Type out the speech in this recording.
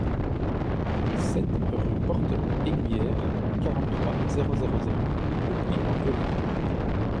sept rue Porte Aiguière, quarante-trois, zéro zéro zéro, Le Puy-en-Velay